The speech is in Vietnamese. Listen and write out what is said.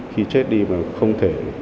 khi chết đi mà không thể